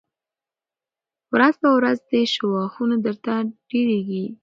ورځ په ورځ دي شواخون درته ډېرېږی